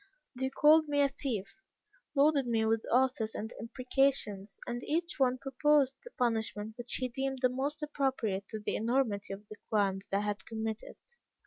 "They called me a thief, loaded me with oaths and imprecations, and each one proposed the punishment which he deemed the most appropriate to the enormity of the crime that I had committed.